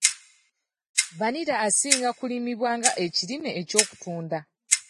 Vvanira asinga kulimibwa ng'ekirime eky'okutunda.